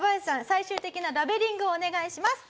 最終的なラベリングをお願いします。